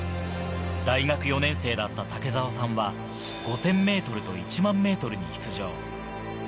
大学４年生だった竹澤さんは５０００ｍと１００００ｍに出場。